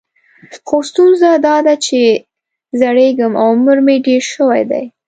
خو ستونزه دا ده چې زړیږم او عمر مې ډېر شوی دی.